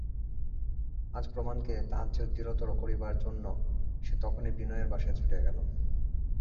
আজ প্রমাণকে তাহার চেয়েও দৃঢ়তর করিবার জন্য সে তখনই বিনয়ের বাসায় ছুটিয়া গেল।